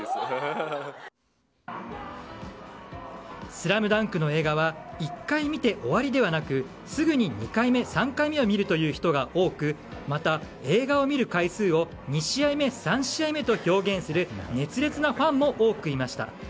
「ＳＬＡＭＤＵＮＫ」の映画は１回見て終わりではなくすぐに２回目、３回目を見るという人が多くまた、映画を見る回数を２試合目、３試合目と表現する熱烈なファンも多くいました。